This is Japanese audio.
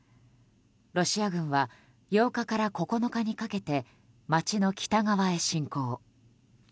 ロシア軍は８日から９日にかけて街の北側へ侵攻。